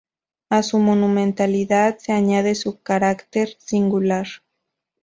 A su monumentalidad se añade su carácter singular.